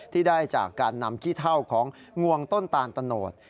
ที่ได้จากการนำขี้เท่าของงวงต้นตาลตะโนธ